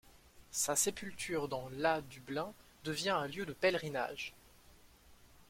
Sa sépulture dans l' à Dublin devient un lieu de pèlerinage.